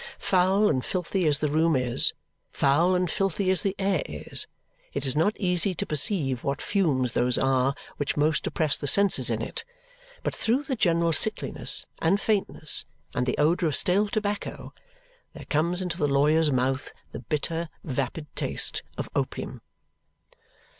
Foul and filthy as the room is, foul and filthy as the air is, it is not easy to perceive what fumes those are which most oppress the senses in it; but through the general sickliness and faintness, and the odour of stale tobacco, there comes into the lawyer's mouth the bitter, vapid taste of opium.